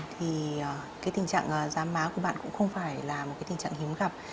thì tình trạng da má của bạn cũng không phải là tình trạng hiếm gặp